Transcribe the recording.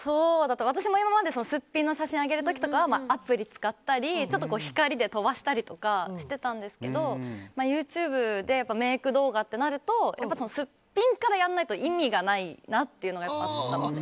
私も今まですっぴんの写真を上げる時とかはアプリ使ったり光で飛ばしたりとかしていたんですけどＹｏｕＴｕｂｅでメイク動画ってなるとすっぴんからやんないと意味がないなっていうのがあったので。